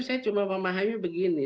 saya cuma memahami begini